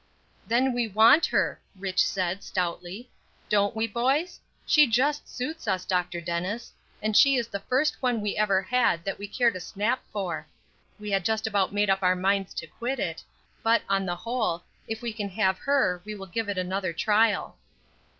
"Then we want her," Rich. said, stoutly. "Don't we, boys? She just suits us, Dr. Dennis; and she is the first one we ever had that we cared a snap for. We had just about made up our minds to quit it; but, on the whole, if we can have her we will give it another trial."